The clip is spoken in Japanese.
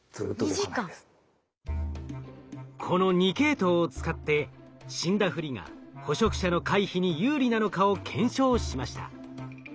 この２系統を使って死んだふりが捕食者の回避に有利なのかを検証しました。